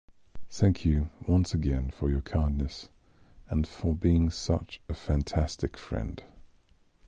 Thank you once again for your kindness and for being such a fantastic friend.